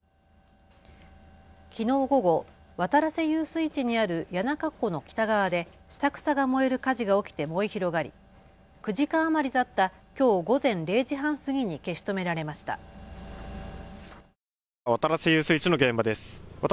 きのう午後、渡良瀬遊水地にある谷中湖の北側で下草が燃える火事が起きて燃え広がり９時間余りたったきょう午前０時半過ぎに消し止められました。